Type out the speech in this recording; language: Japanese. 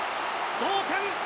同点！